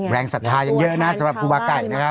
ศรัทธายังเยอะนะสำหรับครูบาไก่นะครับ